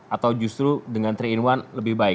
atau justru dengan tiga in satu lebih baik